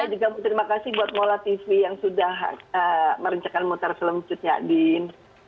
saya juga mau terima kasih buat mola tv yang sudah merencanakan muter film cut yadin